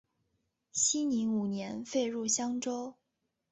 熙宁五年废入襄州。